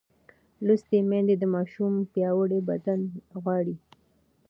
لوستې میندې د ماشوم پیاوړی بدن غواړي.